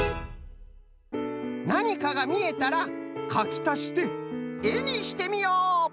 なにかがみえたらかきたしてえにしてみよう。